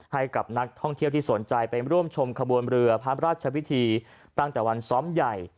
ให้กับนักท่องเที่ยวที่สนใจไปร่วมชมขบวนเรือพระราชพิธีตั้งแต่วันซ้อมใหญ่